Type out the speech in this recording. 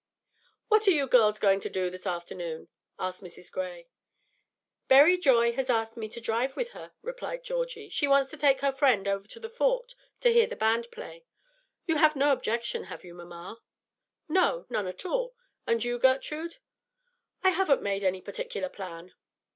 "What are you girls going to do this afternoon?" asked Mrs. Gray. "Berry Joy has asked me to drive with her," replied Georgie; "she wants to take her friend over to the Fort to hear the band play. You have no objection, have you, mamma?" "No; none at all. And you, Gertrude?" "I haven't made any particular plan."